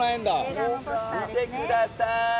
見てください！